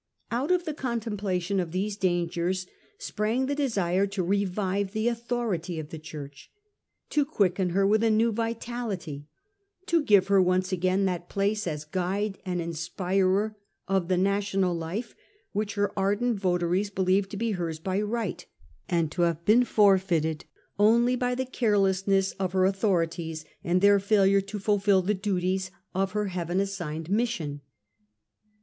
Out of the contemplation of these dangers sprang the desire to revive the authority of the Church ; to quicken her with a new vitality ; to give her once again that place as guide and inspirer of the national life which her ardent votaries believed to be hers by right, and to have been forfeited only by the carelessness of her' authorities and their failure to fulfil the duties of her heaven assigned mission.